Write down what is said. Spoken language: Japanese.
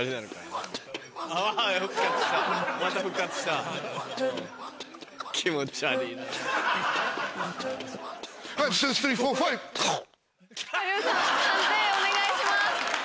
判定お願いします。